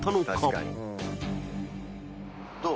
「どう？